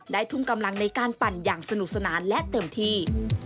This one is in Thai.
ทุ่มกำลังในการปั่นอย่างสนุกสนานและเต็มที่